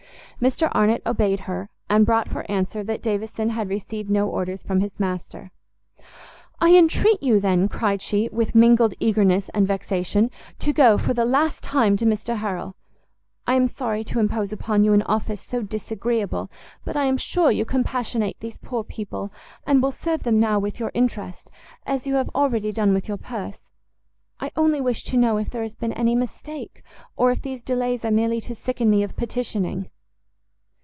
Mr Arnott obeyed her, and brought for answer, that Davison had received no orders from his master. "I entreat you then," cried she, with mingled eagerness and vexation, "to go, for the last time, to Mr Harrel. I am sorry to impose upon you an office so disagreeable, but I am sure you compassionate these poor people, and will serve them now with your interest, as you have already done with your purse. I only wish to know if there has been any mistake, or if these delays are merely to sicken me of petitioning."